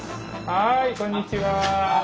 はいこんにちは。